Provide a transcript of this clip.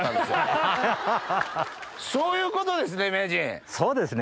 そういうことですね？